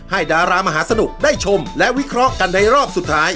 ดารามหาสนุกได้ชมและวิเคราะห์กันในรอบสุดท้าย